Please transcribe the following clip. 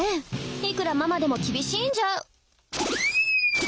いくらママでも厳しいんじゃ。